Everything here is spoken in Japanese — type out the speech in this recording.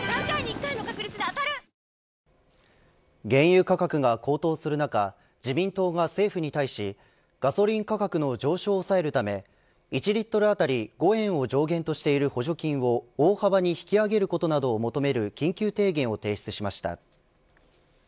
原油価格が高騰する中自民党が政府に対しガソリン価格の上昇を抑えるため１リットル当たり５円を上限としている補助金を大幅に引き上げることなどを求める緊急提言を提出しました。